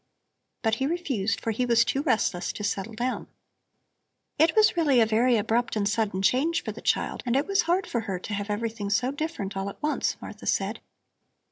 But he refused, for he was too restless to settle down. "It was really a very abrupt and sudden change for the child, and it was hard for her to have everything so different all at once," Martha said.